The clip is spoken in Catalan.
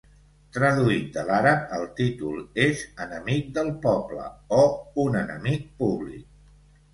Traduït de l'àrab, el títol és "Enemic del poble" o "Un enemic públic".